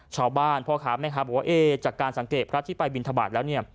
ชาวบ้านพ่อครับบอกว่าจากการสังเกตรรัฐที่ไปบิณฑบาตแล้ว